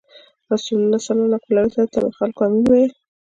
رسول الله ﷺ ته به خلکو “امین” ویل.